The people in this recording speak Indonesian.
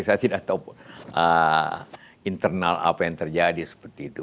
saya tidak tahu internal apa yang terjadi seperti itu